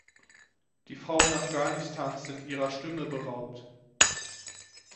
Die Frauen Afghanistans sind ihrer Stimme beraubt.